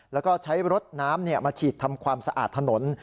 แล้วก็ใช้รถน้ำมาฉีดทำความสะอาดถนน